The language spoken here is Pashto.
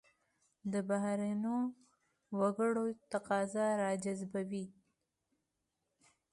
دا بهرنیو وګړو تقاضا راجذبوي.